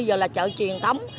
giờ là chợ truyền thống